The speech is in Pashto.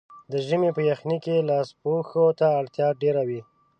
د ژمي په یخنۍ کې لاسپوښو ته اړتیا ډېره وي.